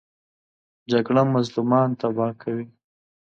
جګړه مظلومان تباه کوي